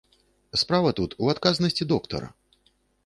Справа тут у адказнасці доктара.